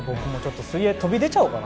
水泳、僕も飛び出ちゃおうかな